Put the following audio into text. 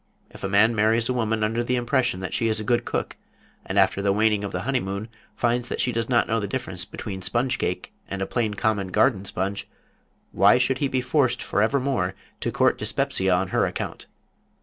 If a man marries a woman under the impression that she is a good cook, and after the waning of the honeymoon finds that she does not know the difference between sponge cake and a plain common garden sponge, why should he be forced forevermore to court dyspepsia on her account?